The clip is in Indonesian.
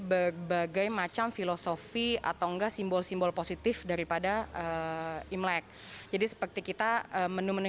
berbagai macam filosofi atau enggak simbol simbol positif daripada imlek jadi seperti kita menu menu